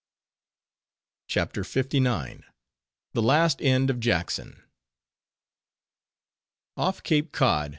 CHAPTER LIX. THE LAST END OF JACKSON "Off Cape Cod!"